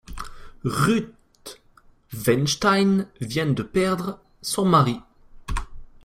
Ruth Weinstein vient de perdre son mari.